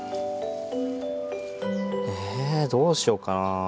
えどうしようかな。